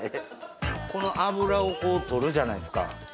この脂をこう取るじゃないですか